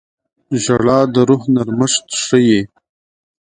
• ژړا د روح نرمښت ښيي.